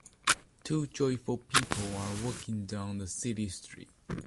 Two joyful people are walking down the city street.